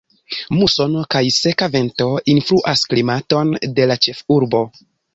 Musono kaj seka vento influas klimaton de la ĉefurbo.